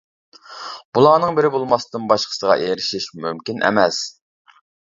بۇلارنىڭ بىرى بولماستىن باشقىسىغا ئېرىشىش مۇمكىن ئەمەس.